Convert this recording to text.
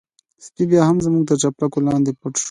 سپی بيا هم زما تر چپلکو لاندې پټ شو.